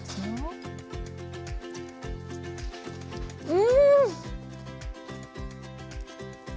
うん！